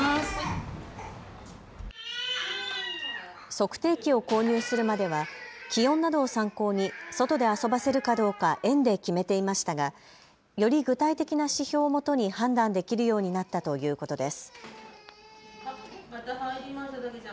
測定器を購入するまでは気温などを参考に外で遊ばせるかどうか園で決めていましたがより具体的な指標をもとに判断できるようになったということです。